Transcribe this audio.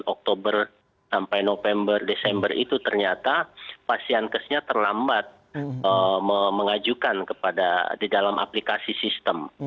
dari tahun dua ribu dua puluh satu sampai tahun dua ribu dua puluh satu itu ternyata pasien kesnya terlambat mengajukan di dalam aplikasi sistem